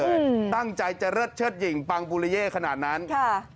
อืมตั้งใจจะเลิศเชิดหญิงปังบูริเย่ขนาดนั้นค่ะ